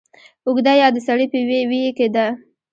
اوږده يا د سړې په ویي کې ده